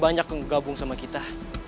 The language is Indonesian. banyak yang gabung sama kita